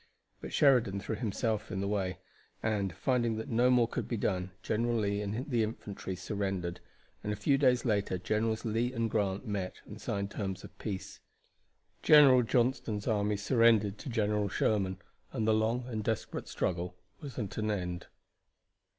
But Sheridan threw himself in the way, and, finding that no more could be done, General Lee and the infantry surrendered, and a few days later Generals Lee and Grant met and signed terms of peace. General Johnston's army surrendered to General Sherman, and the long and desperate struggle was at an end.